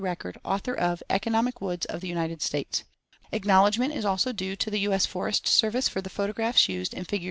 Record, author of "Economic Woods of the United States." Acknowledgment is also due to the U.S. Forest Service for the photographs used in Figs.